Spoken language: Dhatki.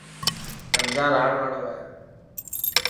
رمضان آن واڙو هي.